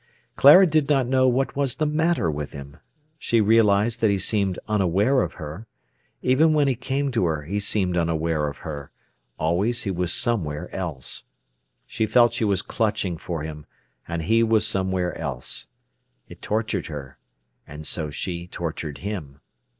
Clara did not know what was the matter with him. She realised that he seemed unaware of her. Even when he came to her he seemed unaware of her; always he was somewhere else. She felt she was clutching for him, and he was somewhere else. It tortured her, and so she tortured him.